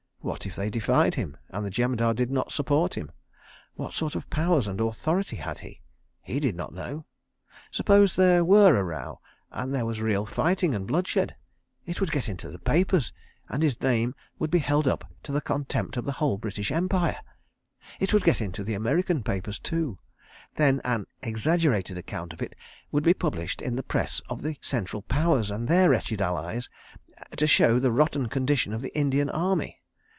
What if they defied him and the Jemadar did not support him? What sort of powers and authority had he? ... He did not know. ... Suppose there were a row, and there was real fighting and bloodshed? It would get into the papers, and his name would be held up to the contempt of the whole British Empire. It would get into the American papers too. Then an exaggerated account of it would be published in the Press of the Central Powers and their wretched allies, to show the rotten condition of the Indian Army.